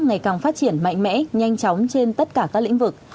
ngày càng phát triển mạnh mẽ nhanh chóng trên tất cả các lĩnh vực